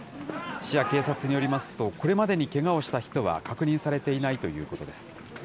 市や警察によりますと、これまでにけがをした人は確認されていないということです。